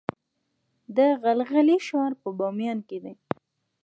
د غلغلې ښار په بامیان کې دی